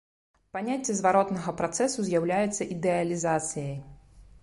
Паняцце зваротнага працэсу з'яўляецца ідэалізацыяй.